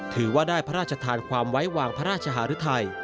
ถือว่าได้พระราชทานความไว้วางพระราชหารุทัย